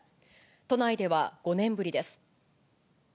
都内では５年ぶりです。